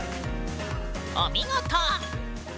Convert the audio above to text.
お見事！